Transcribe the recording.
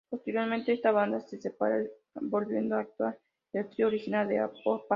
Posteriormente esta banda se separa, volviendo a actuar el trío original de Opa.